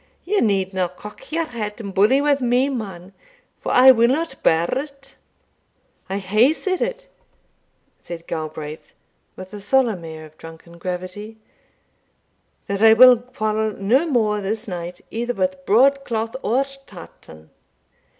Ye needna cock your hat and bully wi' me, man, for I will not bear it." "I hae said it," said Galbraith, with a solemn air of drunken gravity, "that I will quarrel no more this night either with broadcloth or tartan.